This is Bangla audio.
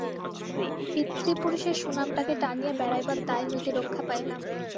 পিতৃপুরুষের সুনামটাকে টানিয়া বেড়াইবার দায় হইতে রক্ষা পাইলাম।